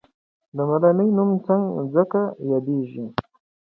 د ملالۍ نوم ځکه یاديږي.